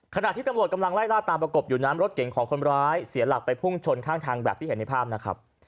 ขณะที่ตำรวจกำลังไล่ล่าตามประกบอยู่นั้นรถเก่งของคนร้ายเสียหลักไปพุ่งชนข้างทางแบบที่เห็นในภาพนะครับ